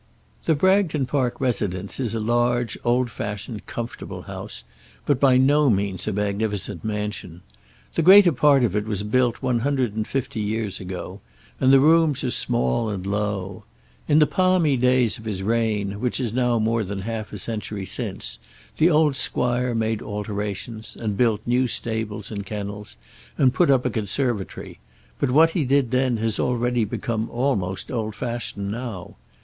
The Bragton Park residence is a large, old fashioned, comfortable house, but by no means a magnificent mansion. The greater part of it was built one hundred and fifty years ago, and the rooms are small and low. In the palmy days of his reign, which is now more than half a century since, the old squire made alterations, and built new stables and kennels, and put up a conservatory; but what he did then has already become almost old fashioned now.